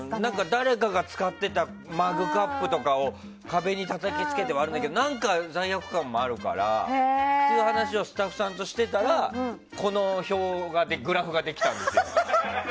誰かが使っていたマグカップ壁にたたきつけて割るんだけど何か罪悪感もあるからっていう話をスタッフさんとしてたらこのグラフができたの。